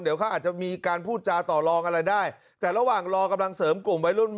เดี๋ยวเขาอาจจะมีการพูดจาต่อลองอะไรได้แต่ระหว่างรอกำลังเสริมกลุ่มวัยรุ่น